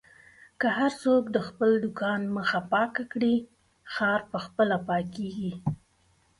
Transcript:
که هر څوک د خپل دوکان مخه پاکه کړي، ښار په خپله پاکېږي.